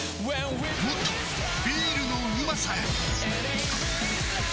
もっとビールのうまさへ！